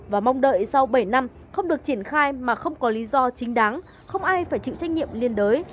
và mong đợi sau bảy năm không được triển khai mà không có lý do chính đáng không ai phải chịu trách nhiệm liên đới